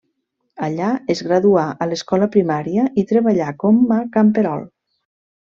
Allà, es graduà a l'escola primària i treballà com a camperol.